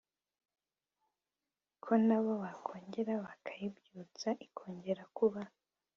ko nabo bakongera bakayibyutsa ikongera kubaho